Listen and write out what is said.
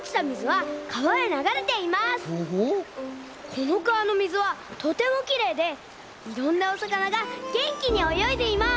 このかわのみずはとてもきれいでいろんなおさかながげんきにおよいでいます！